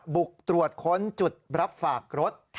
บุกตรวจค้นจุดรับฝากรถ